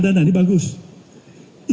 transparansi yang seutuhnya